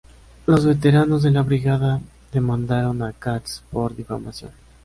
Los veteranos de la brigada demandaron a Katz por difamación.